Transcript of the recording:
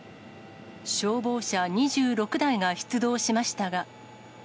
消防車２６台が出動しましたが。